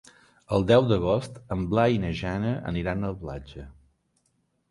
El deu d'agost en Blai i na Jana aniran a la platja.